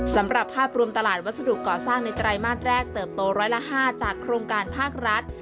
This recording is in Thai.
สำหรับภาพรวมตลาดวัสดุก่อสร้างในไตรมาสแรกเติบโตร้อยละ๕จากโครงการภาครัฐ